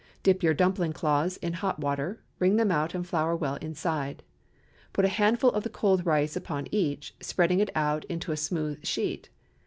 Dip your dumpling cloths in hot water; wring them out and flour well inside. Put a handful of the cold rice upon each, spreading it out into a smooth sheet.